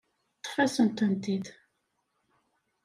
Ṭṭef-asent-tent-id.